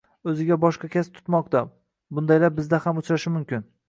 Oʻziga boshqa kasb tutmoqda. Bundaylar bizda ham uchrashi mumkin.